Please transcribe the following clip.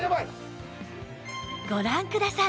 ご覧ください